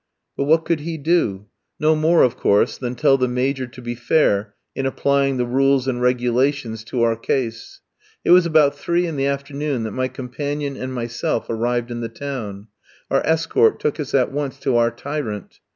But what could he do? No more, of course, than tell the Major to be fair in applying the rules and regulations to our case. It was about three in the afternoon that my companion and myself arrived in the town; our escort took us at once to our tyrant.